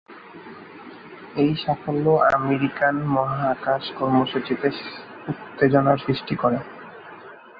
এই সাফল্য আমেরিকান মহাকাশ কর্মসূচিতে উত্তেজনার সৃষ্টি করে।